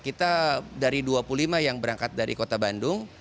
kita dari dua puluh lima yang berangkat dari kota bandung